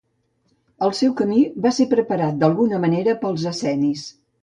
El seu camí va ser preparat d'alguna manera pels essenis.